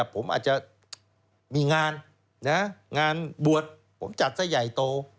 ผมอาจจะมีงานงานบวชผมจัดซะใหญ่โต